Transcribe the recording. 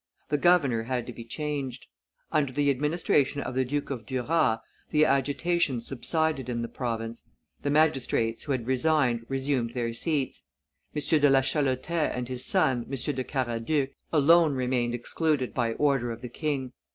The governor had to be changed. Under the administration of the Duke of Duras, the agitation subsided in the province; the magistrates who had resigned resumed their seats; M. de la Chalotais and his son, M. de Caradeuc, alone remained excluded by order of the king.